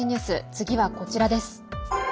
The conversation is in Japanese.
次はこちらです。